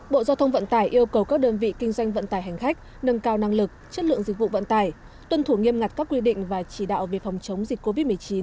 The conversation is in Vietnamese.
bộ giao thông vận tải yêu cầu các đơn vị kinh doanh vận tải hành khách nâng cao năng lực chất lượng dịch vụ vận tải tuân thủ nghiêm ngặt các quy định và chỉ đạo về phòng chống dịch covid một mươi chín